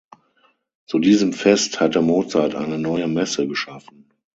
Zu diesem Fest hatte Mozart eine neue Messe geschaffen.